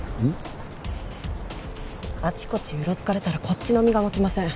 あちこちうろつかれたらこっちの身が持ちません。